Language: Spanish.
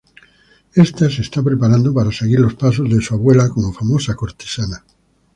Ésta se está preparando para seguir los pasos de su abuela como famosa cortesana.